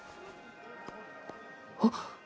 あっ。